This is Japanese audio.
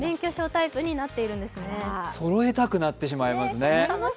そろえたくなってしまいますね。